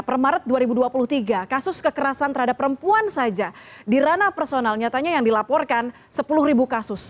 pemaret dua ribu dua puluh tiga kasus kekerasan terhadap perempuan saja di ranah personal nyatanya yang dilaporkan sepuluh kasus